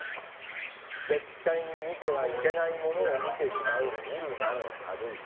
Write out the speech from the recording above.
絶対に見てはいけないものを見てしまう「見るな」のタブー。